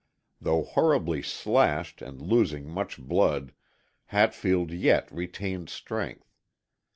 Though horribly slashed and losing much blood, Hatfield yet retained strength.